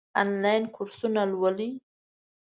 آنلاین کورسونه لولئ؟